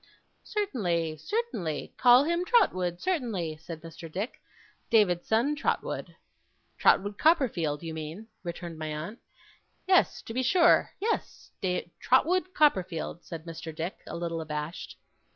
'Certainly, certainly. Call him Trotwood, certainly,' said Mr. Dick. 'David's son's Trotwood.' 'Trotwood Copperfield, you mean,' returned my aunt. 'Yes, to be sure. Yes. Trotwood Copperfield,' said Mr. Dick, a little abashed.